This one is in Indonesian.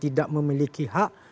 tidak memiliki hak